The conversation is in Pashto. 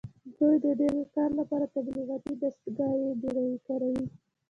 دوی د دې کار لپاره تبلیغاتي دستګاوې کاروي